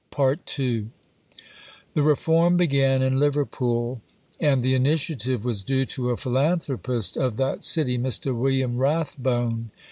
II The reform began in Liverpool, and the initiative was due to a philanthropist of that city, Mr. William Rathbone.